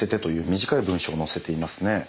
短い文章を載せていますね。